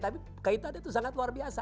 tapi kaitannya itu sangat luar biasa